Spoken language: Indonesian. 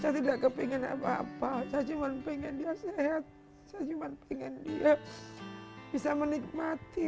saya tidak kepingin apa apa saya cuman pengen dia sehat saya cuma pengen dia bisa menikmati